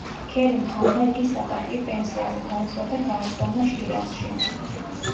ქერიმ-ხანმა იგი საპატიო პენსიაზე გაუშვა და გააგზავნა შირაზში.